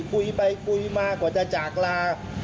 คุยไปคุยมากว่าจะจากลา